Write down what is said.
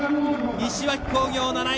西脇工業、７位。